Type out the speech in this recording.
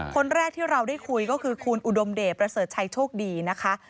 คนแรกที่เราได้คุยก็คือคุณอุดมเดชประเสริฐชัยโชคดีนะคะ